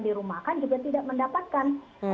dirumahkan juga tidak mendapatkan